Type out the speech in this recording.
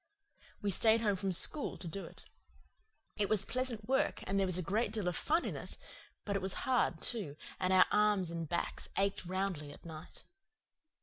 We stayed home from school to do it. It was pleasant work and there was a great deal of fun in it; but it was hard, too, and our arms and backs ached roundly at night.